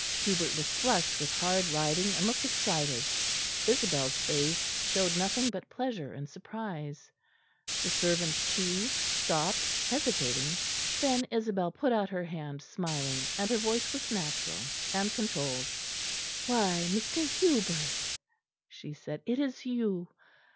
Hubert was flushed with hard riding and looked excited; Isabel's face showed nothing but pleasure and surprise. The servant too stopped, hesitating. Then Isabel put out her hand, smiling; and her voice was natural and controlled. "Why, Mr. Hubert," she said, "it is you!